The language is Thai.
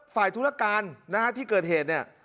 ฝ่ายธุรการที่เกิดเหตุ